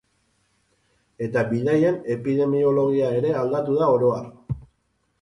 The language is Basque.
Eta bidaien epidemiologia ere aldatu da oro har.